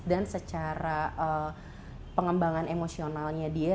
dan secara pengembangan emosionalnya dia